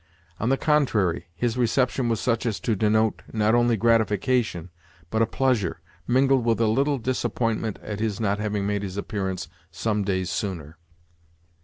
On the contrary, his reception was such as to denote not only gratification, but a pleasure, mingled with a little disappointment at his not having made his appearance some days sooner.